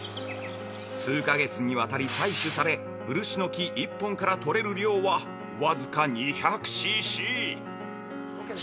数十か月にわたり採取され漆の木１本から取れる量は僅か２００ｃｃ。